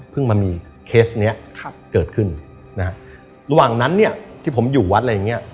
เพิ่งมันมีเคสนี้เกิดขึ้นระหว่างนั้นเนี่ยที่ผมอยู่วัดอะไรอย่างเงี้ย